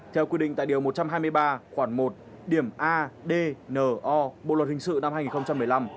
theo quy định tại điều một trăm hai mươi ba khoảng một điểm a d n o bộ luật hình sự năm hai nghìn một mươi năm